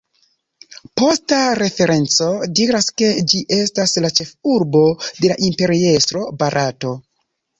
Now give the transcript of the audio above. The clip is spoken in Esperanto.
Posta referenco diras ke ĝi estas la ĉefurbo de la Imperiestro Barato.